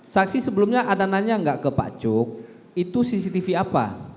saksi sebelumnya ada nanya nggak ke pak cuk itu cctv apa